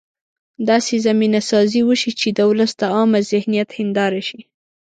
داسې زمینه سازي وشي چې د ولس د عامه ذهنیت هنداره شي.